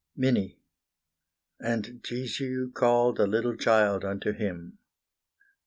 MINNIE "And Jesu called a little child unto him."